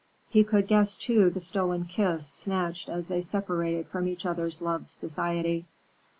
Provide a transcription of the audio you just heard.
He could guess, too, the stolen kiss snatched as they separated from each other's loved society.